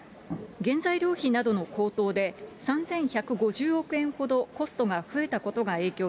原材料費などの高騰で３１５０億円ほどコストが増えたことが影響